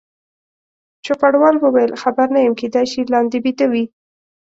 چوپړوال وویل: خبر نه یم، کېدای شي لاندې بیده وي.